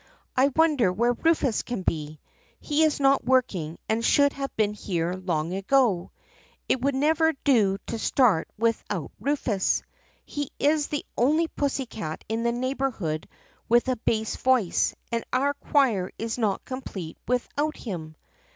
I wonder where Rufus can be. He is not working and should have been here long ago. It would never do to start without THE PUSSYCAT PRINCESS 25 Rufus. He is the only pussycat in the neighborhood with a bass voice and our choir is not complete without him.